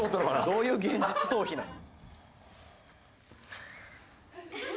どういう現実逃避なの？